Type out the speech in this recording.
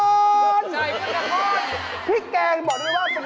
นี่ครับพริกแกงเขานี้